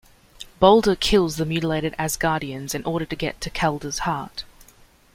Balder kills the mutilated Asgardians in order to get to Kelda's heart.